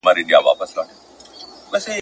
اوس نه منتر کوي اثر نه په مُلا سمېږي !.